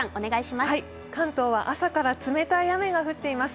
関東は朝から冷たい雨が降っています。